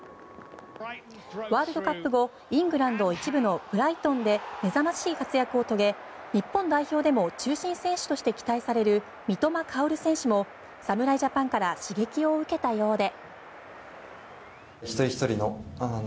ワールドカップ後イングランド１部のブライトンで目覚ましい活躍を遂げ日本代表でも中心選手として期待される三笘薫選手も侍ジャパンから刺激を受けたようで。